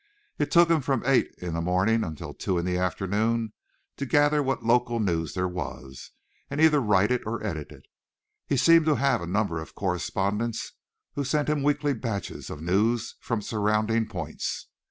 It took him from eight in the morning until two in the afternoon to gather what local news there was, and either write it or edit it. He seemed to have a number of correspondents who sent him weekly batches of news from surrounding points.